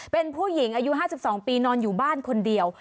เป็นผู้หญิงอายุ๕๒ปีนอนอยู่บ้านคนเดียว